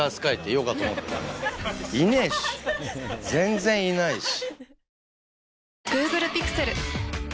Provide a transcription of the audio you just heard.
いねえし全然いないし。